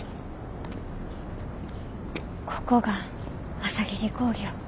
ここが朝霧工業。